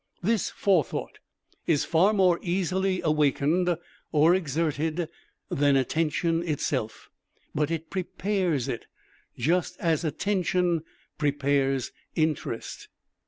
This Forethought is far more easily awakened, or exerted, than Attention itself, but it prepares it, just as Attention prepares Interest.